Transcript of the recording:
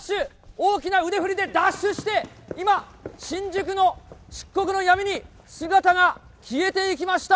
大きな腕振りでダッシュして、今、新宿の漆黒の闇に姿が消えていきました。